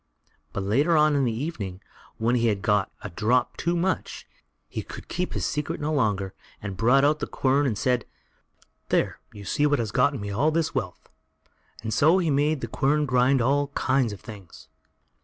But later on in the evening, when he had got a drop too much, he could keep his secret no longer, and brought out the quern and said: "There, you see what has gotten me all this wealth;" and so he made the quern grind all kind of things.